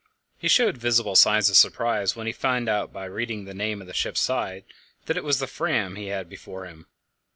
He showed visible signs of surprise when he found out, by reading the name on the ship's side, that it was the Fram he had before him.